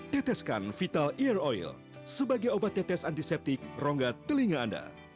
teteskan vital ear oil sebagai obat tetes antiseptik rongga telinga anda